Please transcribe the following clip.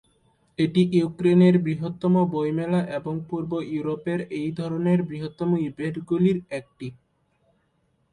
এটি ইউক্রেনের বৃহত্তম বই মেলা এবং পূর্ব ইউরোপের এই ধরনের বৃহত্তম ইভেন্টগুলির একটি।